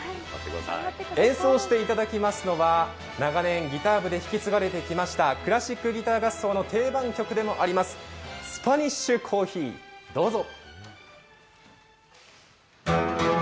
演奏していただきますのは長年ギター部で引き継がれてきた、クラシックギター合奏の定番曲でもございます「ＳｐａｎｉｓｈＣｏｆｆｅｅ」、どうぞ。